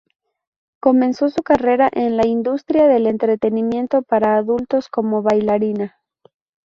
Comenzó su carrera en la industria del entretenimiento para adultos como bailarina.